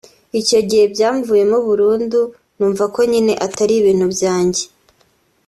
Icyo gihe byamvuyemo burundu numva ko nyine atari ibintu byanjye